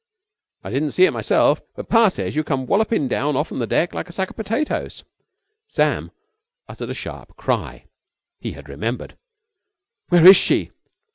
I didn't see it myself, but pa says you come walloping down off'n the deck like a sack of potatoes." Sam uttered a sharp cry. He had remembered. "Where is she?"